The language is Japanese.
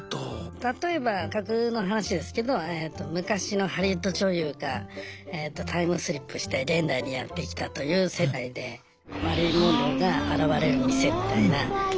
例えば架空の話ですけど昔のハリウッド女優がタイムスリップして現代にやって来たという設定でマリリン・モンローが現れる店みたいな感じにすると。